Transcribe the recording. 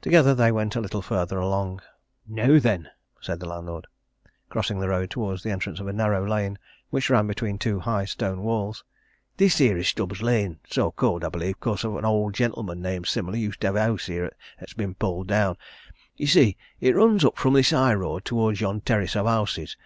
Together they went a little further along. "Now then!" said the landlord, crossing the road towards the entrance of a narrow lane which ran between two high stone walls. "This here is Stubbs' Lane so called, I believe, 'cause an owd gentleman named similar used to hev a house here 'at's been pulled down. Ye see, it runs up fro' this high road towards yon terrace o' houses.